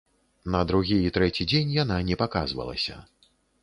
На другі і трэці дзень яна не паказвалася.